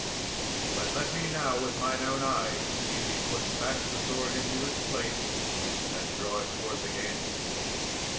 But let me now with mine own eyes see thee put back the sword into its place and draw it forth again."